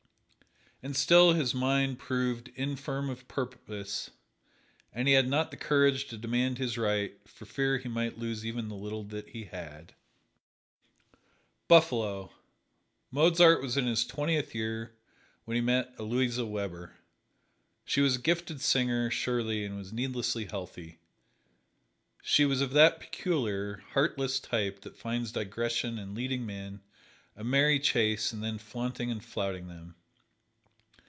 And still his mind proved infirm of purpose, and he had not the courage to demand his right, for fear he might lose even the little that he had. Buffalo: Mozart was in his twentieth year when he met Aloysia Weber. She was a gifted singer, surely, and was needlessly healthy. She was of that peculiar, heartless type that finds digression in leading men a merry chase and then flaunting and flouting them.